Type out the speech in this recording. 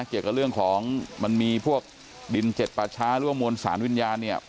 เกี่ยวกับเรื่องของมันมีพวกดินเจ็ดป่าช้าหรือว่ามวลสารวิญญาณเนี่ย